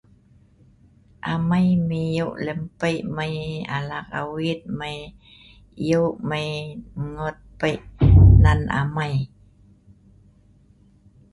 Amai mai yeu' lem pei' mai alak awit mai yeu' mai engngot Pei' nan amai.